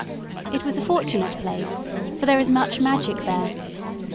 It was a fortunate place, for there is much magic there.